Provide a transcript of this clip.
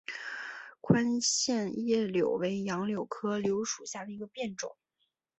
宽线叶柳为杨柳科柳属下的一个变种。